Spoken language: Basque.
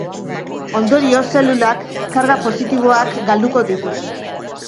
Ondorioz, zelulak karga positiboak galduko ditu.